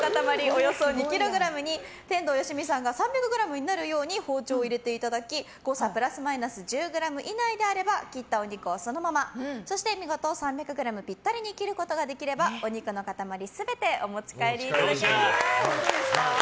およそ２ｋｇに天童よしみさんが３００ｇになるように包丁を入れていただき誤差プラスマイナス１０ｇ以内であれば切ったお肉をそのままそして見事３００ｇピッタリに切ることができればお肉の塊全てお持ち帰りいただけます。